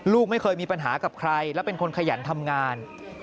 ลูกไม่เคยมีปัญหากับใครและเป็นคนขยันทำงาน